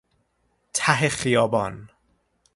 ته خیابان